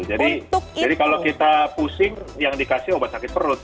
jadi kalau kita pusing yang dikasih obat sakit perut